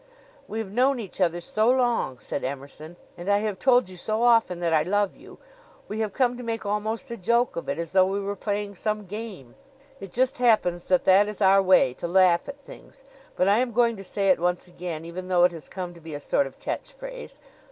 "We have known each other so long," said Emerson, "and I have told you so often that I love you, we have come to make almost a joke of it, as though we were playing some game. It just happens that that is our way to laugh at things; but I am going to say it once again, even though it has come to be a sort of catch phrase.